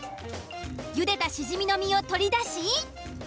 茹でたシジミの身を取り出し。